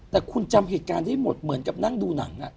แต่คุณจำเหตุการณ์ได้หมดเหมือนกับนั่งดูหนัง